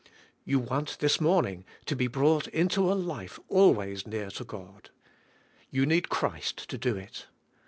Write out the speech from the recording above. You want, this morning, to be brought into a life always near to God. You need Christ to do it.